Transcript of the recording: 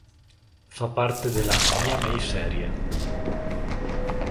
Fa parte della "Mia May-Serie".